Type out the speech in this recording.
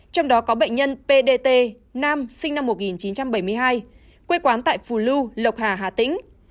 trong đó có bệnh nhân pdt nam sinh năm một nghìn chín trăm bảy mươi hai quê quán tại phù lưu lộc hà hà tĩnh